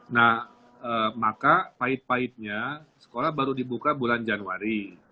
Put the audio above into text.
nah maka pahit pahitnya sekolah baru dibuka bulan januari